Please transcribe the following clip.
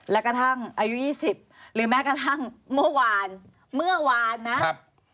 และกระทั่งอายุ๒๐หรือแม้กระทั่งเมื่อวานเมื่อวานนะครับ